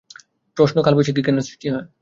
প্রশ্ন কালবৈশাখী কেন সৃষ্টি হয়?